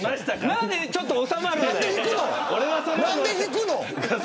何でちょっと収まるんだよ。